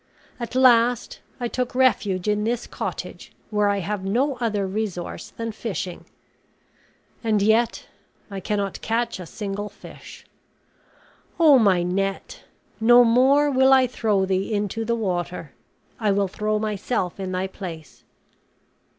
At last I took refuge in this cottage, where I have no other resource than fishing, and yet I cannot catch a single fish. Oh, my net! no more will I throw thee into the water; I will throw myself in thy place."